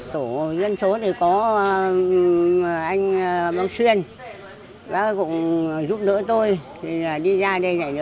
tổ dân số có anh băng xuyên cũng giúp đỡ tôi đi ra đây